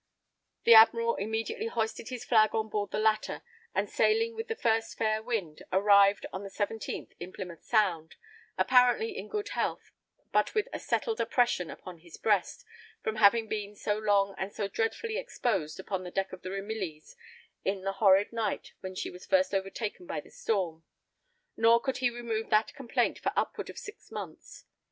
The admiral immediately hoisted his flag on board the latter, and sailing with the first fair wind, arrived, on the 17th, in Plymouth Sound, apparently in good health, but with a settled oppression upon his breast, from having been so long and so dreadfully exposed upon the deck of the Ramillies in the horrid night when she was first overtaken by the storm; nor could he remove that complaint for upwards of six months.